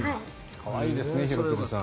可愛いですね廣津留さん。